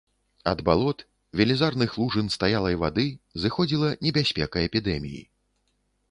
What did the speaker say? Ад балот, велізарных лужын стаялай вады зыходзіла небяспека эпідэмій.